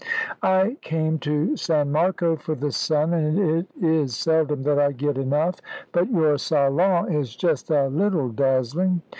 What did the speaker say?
"I came to San Marco for the sun, and it is seldom that I get enough; but your salon is just a little dazzling."